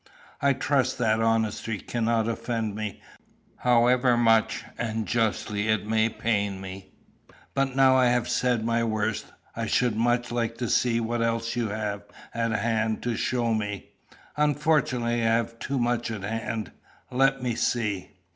"I trust that honesty cannot offend me, however much and justly it may pain me." "But now I have said my worst, I should much like to see what else you have at hand to show me." "Unfortunately I have too much at hand. Let me see."